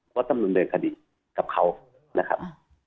ก็ตำรวจเรียนคดีกับเขานะครับ